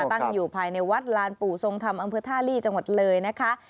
ตั้งอยู่ภายในวัดลานปู่ทรงธรรมอำเภอท่าลีจังหวัดเลยนะคะ